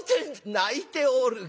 「泣いておるか。